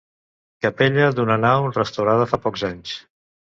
Capella d'una nau restaurada fa pocs anys.